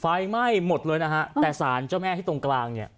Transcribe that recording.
ไฟไหม้หมดเลยนะฮะแต่สารเจ้าแม่ที่ตรงกลางเนี่ย